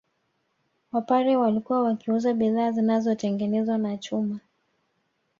Wapare walikuwa wakiuza bidhaa zinazotengenezwa na chuma